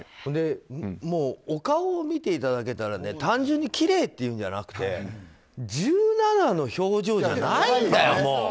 もうお顔を見ていただけたら単純にきれいっていうんじゃなくて１７の表情じゃないんだよ、もう。